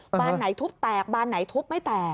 บ้านไหนทุบแตกบานไหนทุบไม่แตก